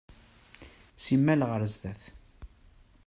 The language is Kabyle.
Simmal ɣer zdat.